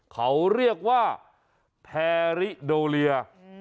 เขาเรียกว่าแพริโดเลีย